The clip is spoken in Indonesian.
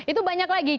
itu banyak lagi